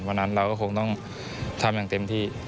วันนั้นเราก็คงต้องทำอย่างเต็มที่